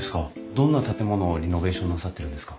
どんな建物をリノベーションなさってるんですか？